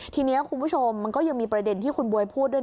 ทีนี้คุณผู้ชมมันก็ยังมีประเด็นที่คุณบ๊วยพูดด้วย